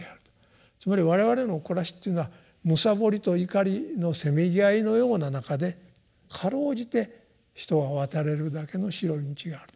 つまり我々の暮らしというのは貪りと瞋りのせめぎ合いのような中でかろうじて人が渡れるだけの白い道があると。